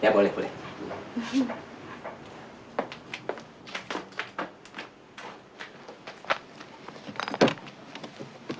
ya boleh boleh